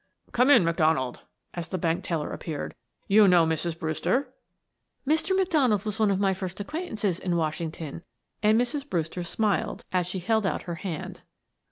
"Come in, McDonald," as the bank teller appeared. "You know Mrs. Brewster?" "Mr. McDonald was one of my first acquaintances in Washington," and Mrs. Brewster smiled as she held out her hand.